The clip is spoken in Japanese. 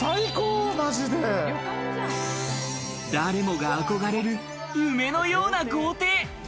誰もが憧れる夢のような豪邸。